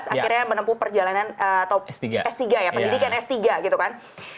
akhirnya menempuh perjalanan atau s tiga ya pendidikan s tiga gitu kan